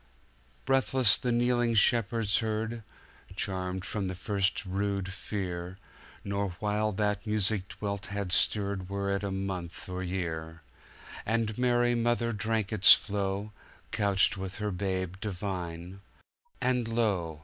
Breathless the kneeling shepherds heard, Charmed from their first rude fear, Nor while that music dwelt had stirred Were it a month or year:And Mary Mother drank its flow, Couched with her Babe divine, and, lo!